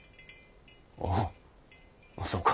あぁそうか。